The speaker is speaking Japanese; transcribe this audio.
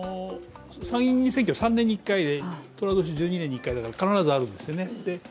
参議院選挙は３年に１回でとら年は１２年に１回だから必ずあるんですよね。